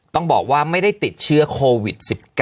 ต้องบอกว่าไม่ได้ติดเชื้อโควิด๑๙